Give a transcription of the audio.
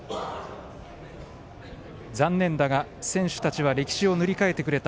残念だが、選手たちは歴史を塗り替えてくれた。